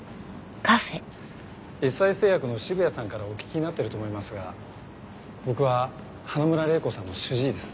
エスアイ製薬の渋谷さんからお聞きになってると思いますが僕は花村玲子さんの主治医です。